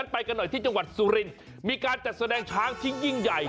ไปกันหน่อยที่จังหวัดสุรินทร์มีการจัดแสดงช้างที่ยิ่งใหญ่